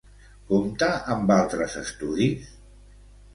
Compta amb altres estudis?